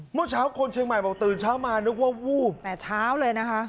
เมื่อเช้าคนเชียงใหม่บอกตื่นเช้ามานึกว่าวูบแต่เช้าเลยนะคะ